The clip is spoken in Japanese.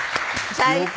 最高。